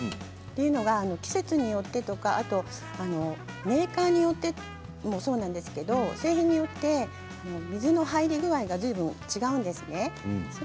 というのは、季節によってとかメーカーによってもそうなんですけど製品によって水の入り具合がずいぶん違うんですね。